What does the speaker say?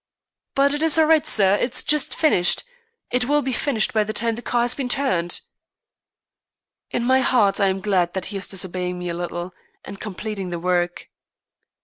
"But it is all right, sir, it is just finished. It will be finished by the time the car has been turned." In my heart I am glad that he is disobeying me a little and completing the work.